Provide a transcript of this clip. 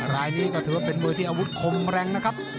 รายนี้ก็ถือว่าเป็นมือที่อาวุธคงแรงนะครับ